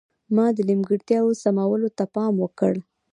ما د نیمګړتیاوو سمولو ته پام وکړ.